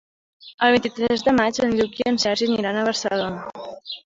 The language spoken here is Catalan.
El vint-i-tres de maig en Lluc i en Sergi aniran a Barcelona.